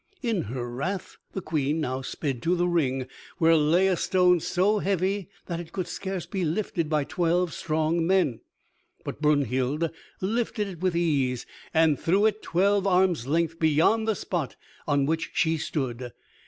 In her wrath the Queen now sped to the ring, where lay a stone so heavy that it could scarce be lifted by twelve strong men. But Brunhild lifted it with ease, and threw it twelve arms' length beyond the spot on which she stood.